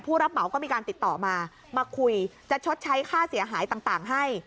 รับเหมาก็มีการติดต่อมามาคุยจะชดใช้ค่าเสียหายต่างให้